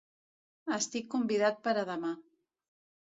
Estic convidat per a demà.